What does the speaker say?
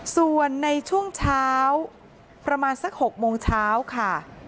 ส่วนในช่วงเช้าประมาณสัก๖โมงเช้าค่ะ